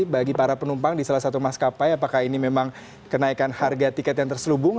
bagi para penumpang di salah satu maskapai apakah ini memang kenaikan harga tiket yang terselubung